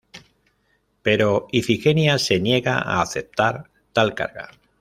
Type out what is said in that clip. Pero Ifigenia se niega a aceptar tal carga.